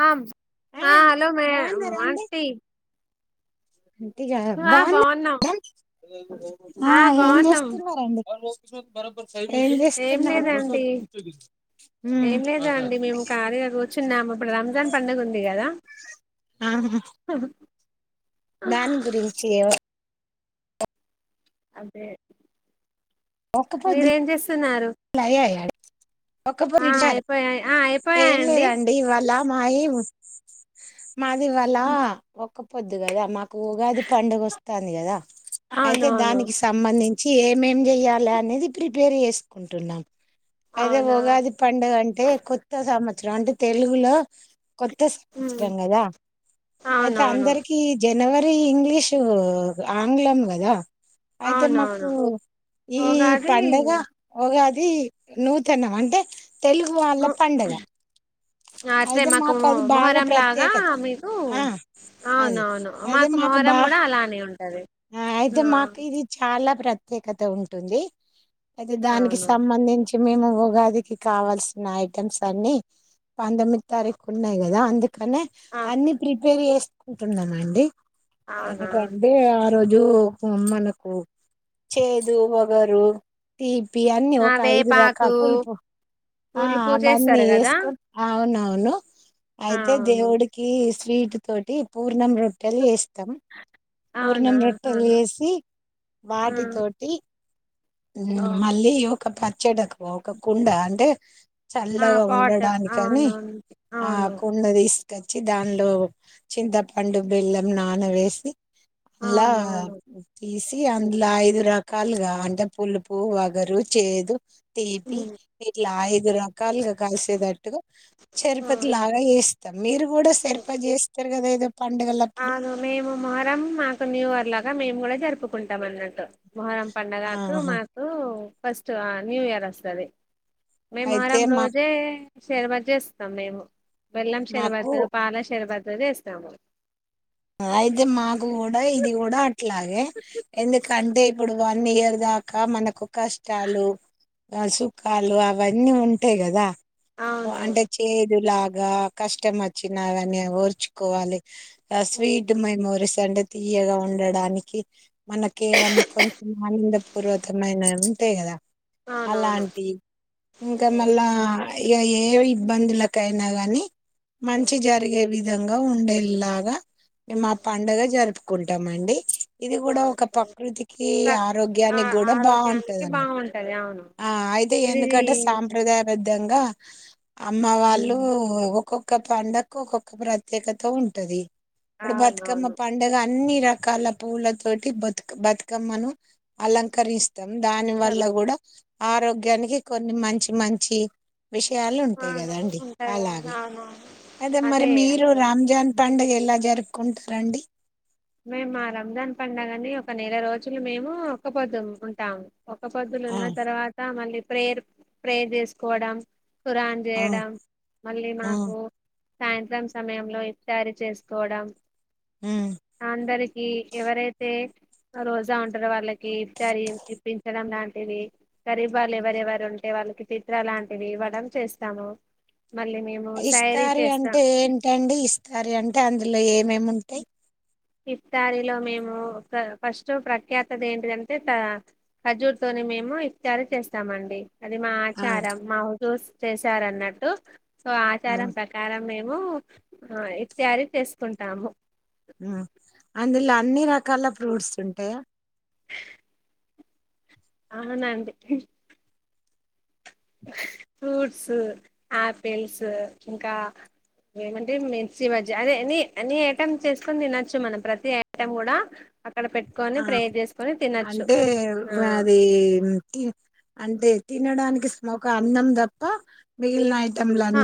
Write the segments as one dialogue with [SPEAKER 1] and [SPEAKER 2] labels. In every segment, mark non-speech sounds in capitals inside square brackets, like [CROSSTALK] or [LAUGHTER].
[SPEAKER 1] ఆమ్ ఆ హలో మే
[SPEAKER 2] బాగున్నారా
[SPEAKER 1] మాంటి
[SPEAKER 2] ఆంటీ కాదు బాన్నా
[SPEAKER 1] బాగున్నాం
[SPEAKER 2] ఆ ఏంజేస్తున్నారండి
[SPEAKER 1] ఏం లేదండి
[SPEAKER 2] ఉమ్
[SPEAKER 1] ఏం లేదండి మేము కాలీగా కూర్చున్నాము ఇప్పుడు రంజాన్ పండుగ ఉంది గదా
[SPEAKER 2] ఆహా దాని గురించి ఏవో
[SPEAKER 1] అదే మీరేం జేస్తున్నారు
[SPEAKER 2] [UNINTELLIGIBLE] ఒక్కపొద్దు ఇడిచరా
[SPEAKER 1] అయిపోయాయి ఆ అయిపోయాయండి
[SPEAKER 2] ఏంలేదండి ఇవ లా మాయిం మాదివాళ ఒక్క పొద్దు గదా మాక్ కు ఉగాది పండగొస్ తాంది గదా ఐతే
[SPEAKER 1] అవునవును
[SPEAKER 2] దానికి సంబంధిన్ చే ఏమేం చెయ్యాలనేది ప్రిపేర్ చేస్ కుంటున్నాం అదే
[SPEAKER 1] అవునా
[SPEAKER 2] ఉగాది పండుగ అంటే కొత్త సంవ చ్రాంట్ తెలుగులో కొత్త
[SPEAKER 1] ఉమ్,
[SPEAKER 2] సంవత్సరం కదా అయితే
[SPEAKER 1] అవునవును
[SPEAKER 2] అందరికి జె నవరీ ఇంగ్లీషు ఆంగ్లం కదా అయితే మాకు
[SPEAKER 1] అవునవును
[SPEAKER 2] ఈ
[SPEAKER 1] ఉగాది
[SPEAKER 2] పండగ ఉగాది నూతనం అంటే తెలుగువాళ్ళ
[SPEAKER 1] ఉ,
[SPEAKER 2] పండగ
[SPEAKER 1] అట్లే
[SPEAKER 2] అయితే మాకు అది
[SPEAKER 1] మొ-
[SPEAKER 2] బాగా
[SPEAKER 1] మొహరం లాగా
[SPEAKER 2] ప్రత్యేకత
[SPEAKER 1] మీకు
[SPEAKER 2] ఆ అది
[SPEAKER 1] అవునవును
[SPEAKER 2] అయితే మాకు
[SPEAKER 1] మొహరం
[SPEAKER 2] బా
[SPEAKER 1] కూడా అలానే ఉంటది
[SPEAKER 2] అయితే మాకు
[SPEAKER 1] అవును
[SPEAKER 2] ఇది చాలా ప్రత్యేకత ఉంటుంది అయితే
[SPEAKER 1] ఆ
[SPEAKER 2] దానికి
[SPEAKER 1] అవును
[SPEAKER 2] సంబంధించి టి మేము ఉగాదికి కావాల్సిన ఐటెమ్స్ అన్ని పంతొమ్మిది తారీఖు ఉన్నాది కదా అందుకనే అన్ని ప్రి పేరు చేేసుకుంటున్నామండి
[SPEAKER 1] అవునా
[SPEAKER 2] ఎందుకండి ఆ రోజు మనకు చేదు వగరు తీబ్ పి అన్నీ
[SPEAKER 1] ఆ
[SPEAKER 2] ఒక ఐదు
[SPEAKER 1] వేపాకు
[SPEAKER 2] రకాల పులుపు ఆ
[SPEAKER 1] పులుపు
[SPEAKER 2] అవన్నీ
[SPEAKER 1] చేస్తారు కదా
[SPEAKER 2] ఏసుకొని అవున [UNINTELLIGIBLE] అయితే
[SPEAKER 1] అవును
[SPEAKER 2] దేవుడికి స్వీట్ తోటి పూర్ణం రొట్టెలు ఏస్ తం
[SPEAKER 1] అవునా
[SPEAKER 2] పూర్ణం రొట్టెలు
[SPEAKER 1] ఆహా.
[SPEAKER 2] చేసి
[SPEAKER 1] ఆ
[SPEAKER 2] వాటితోటి
[SPEAKER 1] ఆ
[SPEAKER 2] ఉమ్మ్ మళ్ళీ ఒక పచ్చడకు పో ఒక కుండ అంటే
[SPEAKER 1] ఆ,
[SPEAKER 2] చల్లగా
[SPEAKER 1] పాట్
[SPEAKER 2] ఉండడాని అని
[SPEAKER 1] అవునవును
[SPEAKER 2] ఆ
[SPEAKER 1] అవును
[SPEAKER 2] కుండ తీసు తెచ్చి దానిలో చింతపండు బెల్లం నాన వేసి అలా
[SPEAKER 1] అవునవును
[SPEAKER 2] తీసి అందులో ఐదు రకాలుగా అంటే పులుపు వగరు చేదు తీపి
[SPEAKER 1] ఉమ్,
[SPEAKER 2] ఇట్లా ఆయిదురకా కాల్గా కలిసెద ట్టు
[SPEAKER 1] ఆ,
[SPEAKER 2] చరిపతి లాగా వేస్ మీరు కూడా సరిప చేస్త గ దేదొ
[SPEAKER 1] అను మేము మొహరం మాకు న్యూ ఇర్ లాగా మేము కూడా జరుపుకుంటాం అన్నట్టు మొహరం పండగకు
[SPEAKER 2] ఆహా
[SPEAKER 1] మాకు ఫస్ట్ ఆ న్యూ ఇయర్ వస్తది మేం
[SPEAKER 2] అయితే
[SPEAKER 1] మారం
[SPEAKER 2] మా
[SPEAKER 1] రోజే షేర్బత్ జేస్తాం మేము బెల్లం
[SPEAKER 2] మాకు
[SPEAKER 1] షర్బత్ పాల షర్బత్ అదేస్తాము
[SPEAKER 2] అయితే మాకు కూడా ఇది కూడా అ లాగే ఎందు కంటే ఇప్పుడు వన్ ఇయర్ దాకా మనకు కష్టాలు సుఖాలు అవన్నీ ఉంటాయి కదా
[SPEAKER 1] అవును
[SPEAKER 2] అంటే చేదు లాగా గా కష్టం వచ్చిన అవన్ని ఓర్చుకోవాలి ఆ స్వీట్ మెమోరీస్ అంటే తీయగా ఉండడానికి మనకేమన్నా కొంచెం ఆనందపూర్వకమైనది టే కదా
[SPEAKER 1] అవునవును
[SPEAKER 2] అలాంటి ఇంకా మళ్ళా ఇక ఏ ఇబ్బందులకైనా గాని మంచి జరిగే విధంగా ఉండేలాగా మా పండుగ జరుపు కుంటామండి ఇది కూడా ఒక
[SPEAKER 1] అవును.
[SPEAKER 2] ప్రకృతికి
[SPEAKER 1] ఆ
[SPEAKER 2] ఆరోగ్యానికి కూడా
[SPEAKER 1] ఆరోగ్యానికి
[SPEAKER 2] బాగుంటది
[SPEAKER 1] బాగుంటది అవును
[SPEAKER 2] ఆ అయితే
[SPEAKER 1] ఇది
[SPEAKER 2] ఎందుకంటే సాంప్రదాయల ఇంగా అమ్మ వాళ్ళు ఒకో ఒక పండక్కు ఒక్కొక్క ప్రత్యేకత ఉంటది ఇప్పుడు బతుకమ్మ
[SPEAKER 1] అవునవును
[SPEAKER 2] పండగ అన్నీ రకాల పూవుల తోటి బతుక్ బతుకమ్మను అలంకరిస్ తం దాని వల్ల కూడా ఆరోగ్యానికి కొన్ని మం చి మంచి విషయాలు ఉంటాయి
[SPEAKER 1] సరమాను
[SPEAKER 2] కదాండి.
[SPEAKER 1] ఉంటాయా
[SPEAKER 2] అలాగే
[SPEAKER 1] అవునవును
[SPEAKER 2] అదే మరి మీరు రాంజాన్ పండగ ఎలాగ్ జరుపుకుంటరండి
[SPEAKER 1] మేమ్ మా రంజాన్ పండగ అని ఒక నెల రోజులు మేము ఒక్కపోద్దు ఉ ఉంటాం. ఒక్క పొద్దులు
[SPEAKER 2] ఆ
[SPEAKER 1] ఉన్న తర్వాత మళ్ళీ ప్ ప్రేయరు ప్రేయర్ చేసుకోవడం ఖురాన్
[SPEAKER 2] ఆ
[SPEAKER 1] జేయడం మళ్ళీ
[SPEAKER 2] ఆ
[SPEAKER 1] మాకు సాయంత్రం సమయంలో [UNINTELLIGIBLE] చేసుకోవడం
[SPEAKER 2] హ్మ్
[SPEAKER 1] అందరికీ ఎవరైతే రోజా ఉంటారో వాళ్ళ కి తరీమ్ ఇప్పించడం గాని ఇవి గరీబాలు ఎవరెవరు ఉంటే వాళ్ళకి తిత్ర లాంటివి ఇవ్వడం చేస్తాము మళ్ళీ మేము శారీ
[SPEAKER 2] ఇస్తారి
[SPEAKER 1] చేస్తాం
[SPEAKER 2] అంటే ఏంటండి ఇస్తారీ అంటే అందులో ఏ మేముంటాయ్
[SPEAKER 1] ఇఫ్తారీలో మేము ఫ్ర ఫస్ట్ ప్రఖ్యాతది ఏంటిదంటే ఖ ఖర్జూర్ తోని మేము ఇఫ్తారీ చేస్తామండి. అది మా
[SPEAKER 2] ఆ
[SPEAKER 1] ఆచారం మావు దోస్ చేశారన్నట్టు సో
[SPEAKER 2] ఆ
[SPEAKER 1] ఆచారం ప్రకారం మేం ము ఆ ఇఫ్తారి చేసుకుంటాము
[SPEAKER 2] మా అ అందులో అన్ని రకాల ఫ్రూట్స్ ఉంటయా
[SPEAKER 1] అవునండి ఫ్రూట్స్ ఆపిల్స్ ఇంకా ఏమంటే మిర్చీబజ్జీ అదే ఎనీ అన్ని ఐటెమ్ చేసుకొని తినొచ్చు మనం ప్రతి ఐటెం కూడా అ
[SPEAKER 2] ఆ అంటే
[SPEAKER 1] ఆ
[SPEAKER 2] వాదేంటి అంటే తినడానికి స్మోక అన్నం తప్ప మిగిలినా ఐ
[SPEAKER 1] హా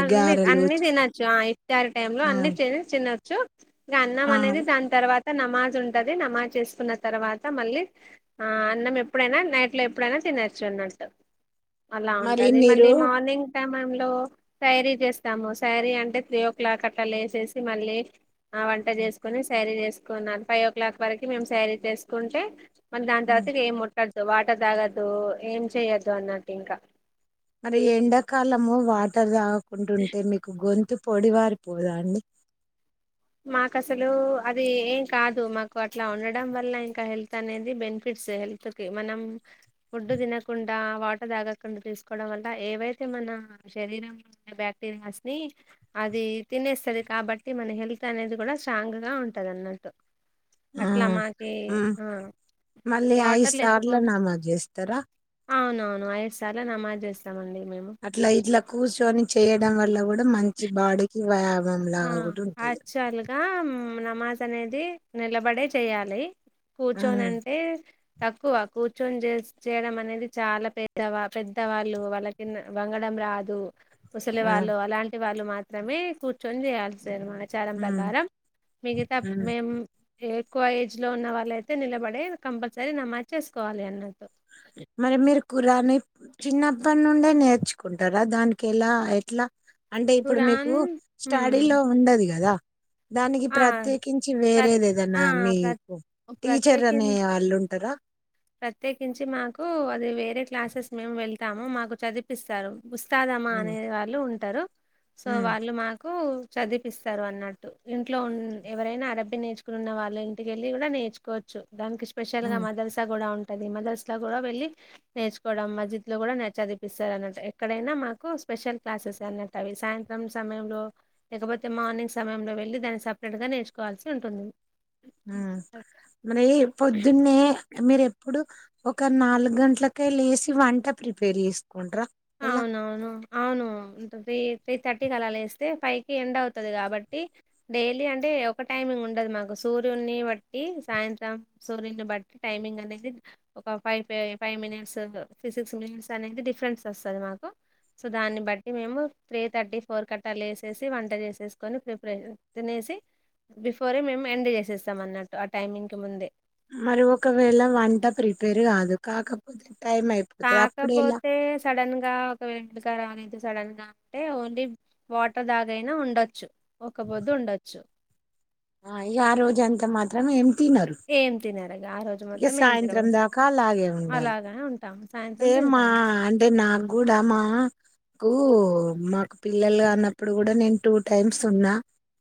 [SPEAKER 1] అన్ని అన్ని తినొచ్చు ఆ ఇట్టారి టైం లో
[SPEAKER 2] ఆ
[SPEAKER 1] అన్ని చేసి చినో చొ ఇంగన్నం
[SPEAKER 2] ఆ
[SPEAKER 1] అనేది దాని తర్వాత్ త నమాజ్ ఉంటది నమాజ్ చేసుకున్న తర్వాత మళ్ళీ ఆ అన్నం ఎప్పుడైనా నైట్ లో ఎప్పుడైనా తినొచ్చు అన్నట్టు. అలా
[SPEAKER 2] మరి
[SPEAKER 1] ఉంటది
[SPEAKER 2] మీరు
[SPEAKER 1] మళ్ళీ మార్నింగ్ సమయంలో సైరి చేస్తాము సైరీ అంటే త్రీ ఓ క్లాక్ అట్లా లేసేసి మళ్ళీ ఆ వంట జేసుకోని సారీ జెస్ తీసుకున్నాను ఫైవ్ ఓ క్లాక్ వరకు మేము శారీ చేసుకుంటే మళ్ దాంత
[SPEAKER 2] ఉమ్,
[SPEAKER 1] తరువత ఇగ్ ఏం ముట్ టదు వాటర్ తాగద్దు. ఏం చెయద్దు అన్నట్టు ఇంకా
[SPEAKER 2] మరి ఎండాకాలం ము వాటర్ దాగక్ కుంటుంటే మీకు గొంత్ తు పొడివారిపోదా అండి.
[SPEAKER 1] మాకు అసలు అది ఏం కాదు మాకు అట్లా ఉండడం వల్ల ఇంకా హెల్త్ అనేది బెనిఫిట్స్ ఏ హెల్త్ కి మనం ఫుడ్డు దినకుండ ట వాటర్ తాగకుండా తీసుకోవడం వల్ల ఏవైతే మన శరీరంలో ఉన్న బాక్టీరియాస్ ని అది తినేస్తది కాబట్టి మన హెల్త్ అనేది కూడా స్ట్రాంగ్ గా ఉంటది అన్నట్టు
[SPEAKER 2] ఆ
[SPEAKER 1] అట్లా మాకి
[SPEAKER 2] ఉం
[SPEAKER 1] ఆ
[SPEAKER 2] మళ్ళీ ఐదు
[SPEAKER 1] వాటర్
[SPEAKER 2] సార్లు
[SPEAKER 1] లేకపోని
[SPEAKER 2] నమాజ్ చేస్తరా
[SPEAKER 1] అయిదు సార్లు నమాజ్ చేస్తామండి. మేము
[SPEAKER 2] అట్లా ఇట్లా కూర్చొని చేయడం వల్ల కూడ్ మంచి బాడికి వా మన్లగా కూడ ఉంటది.
[SPEAKER 1] ఉం నమాజ్ అనేది నిలబడే చేయాలి.
[SPEAKER 2] ఉమ్
[SPEAKER 1] కూర్చోనంటే తక్కువ కూర్చొని చేస్ చేయడం అనేది చాలా పెద్ద పెద్ద వాళ్ళు వాళ్ళకి వంగడం రాదు. ముసలివాళ్ళు
[SPEAKER 2] ఉమ్
[SPEAKER 1] అలాంటి వాళ్ళు మాత్రమే కూర్ ర్చొని చేయాలసి మా ప్రచారం
[SPEAKER 2] ఉమ్
[SPEAKER 1] ప్రకారం మిగతా
[SPEAKER 2] ఉమ్
[SPEAKER 1] మేము ఏ ఎక్కువ ఏజ్ లో ఉన్న వాళ్ళయితే నిలబడే కంపల్సరీ నమాజేసుకోవాలి అన్నట్టు
[SPEAKER 2] మరి మీరు కురాను చిన్నప్పటి నుండే నేర్చుకుంటారా దానికి ఎలా ఎట్లా అంటే ఇప్పుడు మీకు
[SPEAKER 1] ఖురాన్
[SPEAKER 2] స్టడీ
[SPEAKER 1] హ్మ్
[SPEAKER 2] లో ఉండదు. కదా దానికి
[SPEAKER 1] ఆ
[SPEAKER 2] ప్రత్యేకించి
[SPEAKER 1] ప్ర
[SPEAKER 2] వేరేది ఏదన్నా
[SPEAKER 1] ఆ ప్ర
[SPEAKER 2] మీకు టీచర్
[SPEAKER 1] ప్రత్యేకిం
[SPEAKER 2] అనే వాళ్ళు ఉంటరా
[SPEAKER 1] ఓ అది వేరే క్లాసెస్ మేము వెళ్తాము మాకు చదిపిస్తారు. ముస్తాదమా
[SPEAKER 2] ఉమ్
[SPEAKER 1] అనే వాళ్ళు ఉంటారు సో
[SPEAKER 2] ఉమ్
[SPEAKER 1] వాళ్ళు మాకు చదివిపిస్తారు అన్నట్టు ఇంట్లో ఉన్ ఎవరైనా అరబ్బీ నేర్చుకునిన్న వాళ్ళు ఇంటికెళ్ళి కూడా నేర్చుకోవచ్చు. దానికి స్పెషల్ గా
[SPEAKER 2] ఉమ్
[SPEAKER 1] మదరస కూడా ఉం అది మదర్స లో కూడా వెళ్ళి నేర్చుకోవడం మస్జీద్ లో కూడా నే చదివిపిస్తారన్నట్టు. ఎక్కడైనా మాకు స్పెషల్ క్లాసెస్ అన్నట్టు. అవి సాయంత్రం సమయంలో లేకపోతే మార్నింగ్ సమయం లొ వెళ్ళి దానికి సపరేట్ గా నేర్చుకోవాల్సి ఉంటుంది
[SPEAKER 2] మరి పొద్దున్నే మీరు ఎప్పుడు ఒక నాలుగు గంటలకే లేసి వంట ప్రిపేర్ చేస్తా
[SPEAKER 1] అవునవును అవును త్రీ త్రీ థర్టీకి అలా లేస్తే ఫైవ్కి ఎండ్ అవుతది. కాబట్టి డైలీ అంటే ఒక టైమింగ్ ఉండదు. మాకు సూర్యున్ని బట్టి సాయంత్రం సూర్యుని బట్టి టైమింగ్ అనేది ఒక ఫైవ్ ఫై ఫైవ్ మినిట్స్ సిక్స్ మినిట్స్ అనేది డిఫరెన్స్. వస్తది మాకు సో దాన్ని బట్టి మేము త్రీ థర్టీ ఫోర్ కట్ట లేసేసి వంట చేసేసుకొని ప్రిపరే తినేసి బిఫోరే మేము ఎండ్ చేసేస్తాం. అన్నట్టు ఆ టైమింగ్కి ముందే
[SPEAKER 2] మరి ఒకవేళ వంట ప్రిపేర్ కాదు కాకపోతే టైం అయిపోతది అప్పుడు ఎలా
[SPEAKER 1] కాకపోతే సడన్ గా ఒక [UNINTELLIGIBLE] వెడుకారం అనేది సడన్ గా అంటే ఓన్లీ వాటర్ దాగైనా ఉండొచ్చు ఒక్క పొద్దు ఉండొచ్చు
[SPEAKER 2] ఆ ఇక ఆ రోజ అంత మాత్రం ఎం
[SPEAKER 1] ఏం తినరు ఆ రోజు మొత్తం ఏం తినం
[SPEAKER 2] సాయంత్రం
[SPEAKER 1] అలాగనే ఉంటాము సాయంత్రం
[SPEAKER 2] అదేమ్మా
[SPEAKER 1] తింటాము
[SPEAKER 2] అంటే నాకు కూడా మా మాకు పిల్లలు గన్నప్పుడు కూడా నేను టూ టైమ్స్ ఉన్నా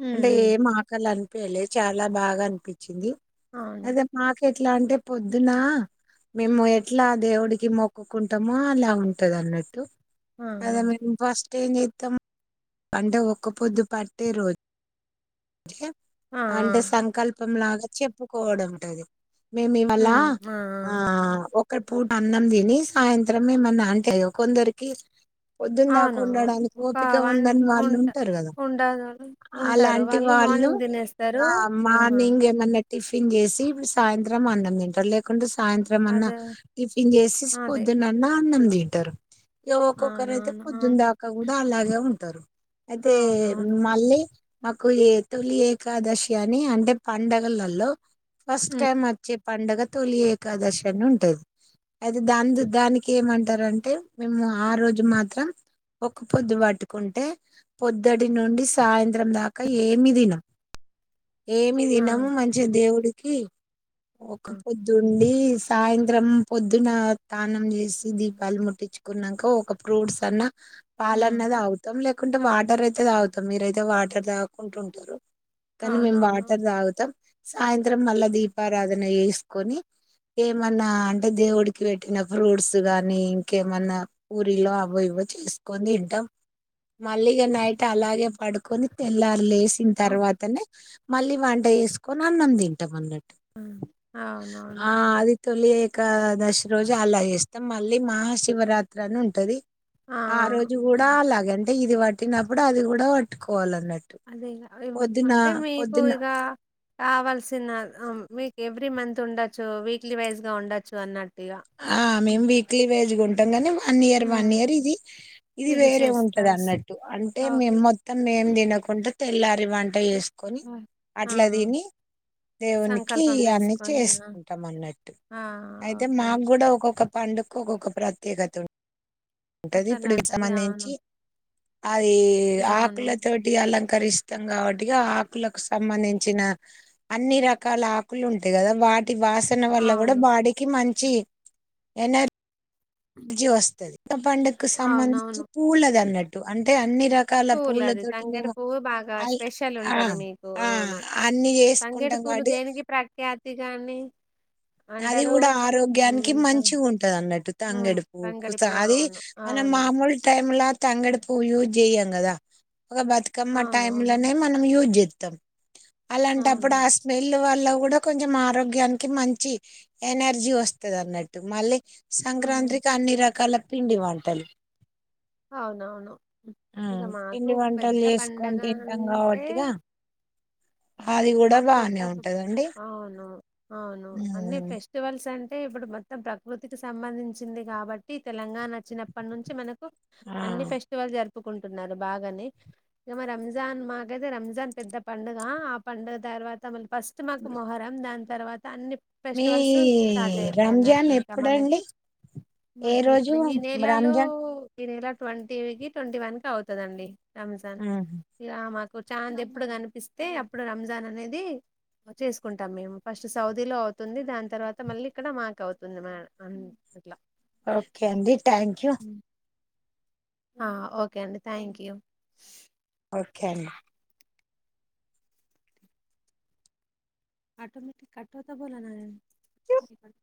[SPEAKER 1] హ్మ్
[SPEAKER 2] అంటే
[SPEAKER 1] హ్మ్
[SPEAKER 2] ఏం ఆకలి అని పళ్లే చాలా బాగా అనిపి ి
[SPEAKER 1] అవును
[SPEAKER 2] అదే మా ఎట్లా అంటే పొద్దునా మేము ఎట్లా దేవుడి కి కి మొక్కుకుంటామో అలా ఉంటది అన్నట్టు
[SPEAKER 1] ఆ ఆ
[SPEAKER 2] అదే మేము ఫస్ట్ ఏంజేతం పంట ఒక్క పొద్దు పట్టే రోజు
[SPEAKER 1] ఆ ఆ
[SPEAKER 2] అంటే సంకల్ప తపం లాగా చెప్పుకోవడుంటది మేము ఇవాళ ఆ ఒ ఒక్క పూట అన్నం తిని సాయంత్రమేమన్న అంటే కొందరికి పొద్దున దాకా
[SPEAKER 1] అవును
[SPEAKER 2] ఉండడానికి
[SPEAKER 1] ఒక
[SPEAKER 2] ఓపిక
[SPEAKER 1] వ
[SPEAKER 2] ఉండని వాళ్ళు
[SPEAKER 1] వంట
[SPEAKER 2] ఉంటారు
[SPEAKER 1] ఉండదు ఉంటారు వాళ్ళు
[SPEAKER 2] వాళు
[SPEAKER 1] మార్నింగ్ తినేస్తారు ఆహా
[SPEAKER 2] మార్నింగ్ ఏమన్నా టిఫిన్ చేసి ఇప్పుడు సాయంత్రం అన్నం తింటారు లేకుంటే సాయంత్రం అన్న
[SPEAKER 1] అదే
[SPEAKER 2] టిఫిన్ చేసేసి
[SPEAKER 1] అదే
[SPEAKER 2] పొద్దున అన్న అన్నం దింటరు ఇగ ఒక్కొక్కరు అయితే
[SPEAKER 1] అవునవును
[SPEAKER 2] పొద్దున్న
[SPEAKER 1] అవును
[SPEAKER 2] దాకా కూడా అలాగే ఉం తరు అయితే
[SPEAKER 1] అవునవును
[SPEAKER 2] మళ్లీ. అగ్. కొలిఏక, తొలిఏకాదశి అన్ని అంటే పండగలలో. ఫస్ట్
[SPEAKER 1] హ్మ్
[SPEAKER 2] టైమ్, వచ్ప్ పండగ తొలి ఏకాదశి అని ఉంటది. అయితే దా దానికి ఏమంటారంటే, మేము ఆ రోజు మాత్రం ఒక పొద్దు పట్టుకుంటే, పొద్దుటి నుండి సాయంత్రం దాకా కా, ఏమీ తినం. ఏమీ
[SPEAKER 1] ఆ
[SPEAKER 2] తినం, మంచిగా దేవుడి. ఖీ
[SPEAKER 1] ఆ
[SPEAKER 2] ఒక పొద్దుండి. సాయంత్రం పొద్దున తానం జేసి, దీపాలు ముట్టించుకున్నాక ఒక ఫ్రూట్స్ అన్నా.
[SPEAKER 1] హ్మ్
[SPEAKER 2] పాలన్న దాగుతాం. లేక కుంటే, వాటర్ అయితే తాగుతాం, మీరు అయితే వాటర్ తాగ్ కుంటుంటారు. కానీ, మేము
[SPEAKER 1] అవునవును
[SPEAKER 2] వాటర్ తాగుతాం. సాయంత్రం, మళ్ల దీపారాధన జేస్. కొని ఏమన్నా అంటే, దేవుడికి వెట్టిన ఫ్రూట్స్ గానీ, ఇంకేమన్నా పూరీలో అవో, ఇవో చేసుకొని తింటాం. మళ్లీ నైట్ అలాగే పడుకొని తీన్ ఏలారు? లేసిన్
[SPEAKER 1] హలో
[SPEAKER 2] తర్వాతనే. మళ్లీ వంట జేసుకొని, అన్నం తింటామన్నట్టు.
[SPEAKER 1] ఉమ్, అవునవును.
[SPEAKER 2] అది తొలి ఏకాదశి రోజు అలా చేస్తాం. మళ్లీ మహాశివరాత్రి అని ఉంటది. ఆ రోజు గూడా, అలాగన్ ఇది వట్టినప్పుడు, అది కూడా వట్టుకోవాలన్నట్టు.
[SPEAKER 1] అదే ఇగ అంటే, మీకు ఇగా కావల్సి చిన్నద్, మీక్ ఎవ్రీ మంత్ ఉండొచ్చు, వీక్లీ వైజ్‌గా ఉండొచ్చు అన్నట్.
[SPEAKER 2] ఆ, మేం వీక్లీ వైజ్‌గా ఉం. టామ్ గానీ, వల్ one year, one
[SPEAKER 1] hmm.
[SPEAKER 2] Year ఇది ఇది వేరే
[SPEAKER 1] చేస్తారు స్
[SPEAKER 2] ఉంటదన్నట్టు. అంటే, మేం
[SPEAKER 1] ఓకే
[SPEAKER 2] మొత్తం మేం తినకుట. తెల్లరీ వంట జేసుకొని,
[SPEAKER 1] హ్మ్. ఆ
[SPEAKER 2] అట్లా తిని, దేవునికి
[SPEAKER 1] సంకల్పం
[SPEAKER 2] అన్ని
[SPEAKER 1] చేసుకొని ఆ
[SPEAKER 2] చేసుకుంటాం అన్నట్టు.
[SPEAKER 1] ఆ!
[SPEAKER 2] అయితే
[SPEAKER 1] ఓకే
[SPEAKER 2] మా ఒక్కొక్క పండుకు, ఒక్కొక్క ప్రత్యేకత ఉం. ఉంటది.
[SPEAKER 1] కథలా
[SPEAKER 2] ఇప్పుడు వీటికి
[SPEAKER 1] ఉంటది అవును
[SPEAKER 2] సంబంధించి, అదీ
[SPEAKER 1] అవును
[SPEAKER 2] ఆకుల తోటి అలం. కరిస్తాం గాబట్టి, ఇగ ఆకులకు సంబంధించిన అన్ని రకాల ఆకులు ఉంటాయి గదా, వాట్ వాసన వల్ల గుడా
[SPEAKER 1] అవును
[SPEAKER 2] బాడీకి మంచి ఛీ ఎనే అజి వస్తది పండకు సంబంధించి
[SPEAKER 1] అవునవును
[SPEAKER 2] పూలది అన్నట్టు అన్ తె అన్ని రకాల
[SPEAKER 1] పూలు అది
[SPEAKER 2] పూలతోటి
[SPEAKER 1] తంగేడు
[SPEAKER 2] మేము
[SPEAKER 1] పువ్వు బాగా
[SPEAKER 2] అయి
[SPEAKER 1] స్పెషల్
[SPEAKER 2] ఆ
[SPEAKER 1] ఉంటది మీకు
[SPEAKER 2] ఆ
[SPEAKER 1] అహ్ అవును
[SPEAKER 2] అన్ని
[SPEAKER 1] తంగేడు
[SPEAKER 2] చేసుకుంటాం
[SPEAKER 1] పూలు
[SPEAKER 2] కాబట్టి
[SPEAKER 1] దేనికి ప్రఖ్యాత. ది గాని
[SPEAKER 2] అది గూడా ఆరోగ్యానికి మంచి ఉంటాదనట్టు
[SPEAKER 1] హ్మ్.
[SPEAKER 2] తంగేడుపూ
[SPEAKER 1] తంగడి
[SPEAKER 2] కుస
[SPEAKER 1] పువ్వు
[SPEAKER 2] అదీ
[SPEAKER 1] అవును.
[SPEAKER 2] మన
[SPEAKER 1] అవును.
[SPEAKER 2] మాముల్ టైమ్ల తంగేడు పుయూ జేయం గద ఒక బతుకమ్మ టైం
[SPEAKER 1] అవునవును.
[SPEAKER 2] లనే మనం యూజ్ చేస్తా తమ్
[SPEAKER 1] అవును.
[SPEAKER 2] అలాంటప్పుడు ఆ స్మేళ్లు ఇలా కూడ కొంచెం ఆరోగ్యానికి మంచి. ఎనర్జీ వస్తాదనట్టు మళ్ళీ సంక్రాంత్రి
[SPEAKER 1] అవును
[SPEAKER 2] అన్ని రకాల పిండి వంటల్
[SPEAKER 1] అవునవును ఇగ మాకు
[SPEAKER 2] పిండి వంటలు
[SPEAKER 1] పెద్ద
[SPEAKER 2] చేసుకొని
[SPEAKER 1] పండగ
[SPEAKER 2] తింటాం
[SPEAKER 1] అంటే
[SPEAKER 2] కాబట్టిగా అది కూడా
[SPEAKER 1] మాకు పెద్ద
[SPEAKER 2] బానే ఉంటదండి
[SPEAKER 1] అవును అవును అన్ని
[SPEAKER 2] ఉమ్,
[SPEAKER 1] ఫెస్టివల్స్ అంటే ఇప్పుడు మొత్తం ప్రకృతికి సంబంధించింది కాబట్టి తెలంగాణ అ చ్చినప్పటి నుంచి మనకు
[SPEAKER 2] ఆ
[SPEAKER 1] అన్ని ఫెస్టివల్ జరు ప్పుకుంటున్నారు బాగాని ఇక మా రంజాన్ మాకైతే రంజాన్ పెద్ద పండుగ ఆ పండుగ తర్వాత మ ఫస్ట్ మాకు మొహరం దాన్ తర్వాత అన్ని
[SPEAKER 2] మీ
[SPEAKER 1] ఫెస్టివల్స్ స్టార్ట్ అయితాయి అన్నట్
[SPEAKER 2] రంజాన్
[SPEAKER 1] ఇంకా మనకి
[SPEAKER 2] ఎప్పుడండి ఏ
[SPEAKER 1] మాకి
[SPEAKER 2] రోజు
[SPEAKER 1] ఇప్పుడు ఈ నేలాలో
[SPEAKER 2] రంజాన్
[SPEAKER 1] ఈ నెలా ట్వంటీ కి ట్వంటీ వన్ కి అవుతదండి రంజాన్
[SPEAKER 2] ఉమ్,
[SPEAKER 1] ఇ ఆ మా చాంద్ ఎప్పుడు కనిపిస్తే అప్పుడు రంజాన్ అనేది చేసుకుంటాం మేము ఫస్ట్ సౌదీలో అవుతుంది దాని తర్వాత మళ్ళీ ఇక్కడ మాకు అవుతుంది మ అట్లా
[SPEAKER 2] ఓకే అండి థ్యాంక్ యూ
[SPEAKER 1] ఆ ఓకే అండి థ్యాంక్ యూ
[SPEAKER 2] ఓకే అండి
[SPEAKER 1] ఆటోమేటిక్ కట్టవత బోలనా [INAUDIBLE]